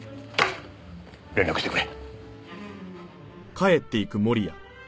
連絡してくれ。